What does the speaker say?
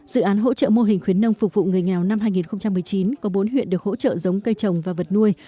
dự án hỗ trợ mô hình khuyến nông phục vụ người nghèo năm hai nghìn một mươi chín có bốn huyện được hỗ trợ giống cây trồng và vật nuôi